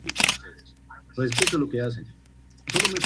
Además, no es posible ver la cabeza desde arriba.